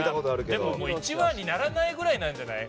でも１話にならないぐらいじゃない。